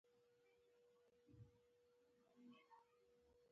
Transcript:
دا ډیموکراسي د یوه ګوند په ټیکه کې ده.